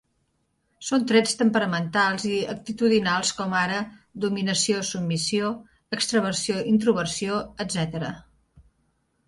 Són trets temperamentals i actitudinals com ara: dominació-submissió, extraversió-introversió, etcètera.